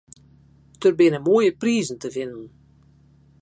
Der binne moaie prizen te winnen.